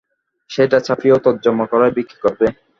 সেটা ছাপিয়ে ও তর্জমা করে বিক্রী করবে।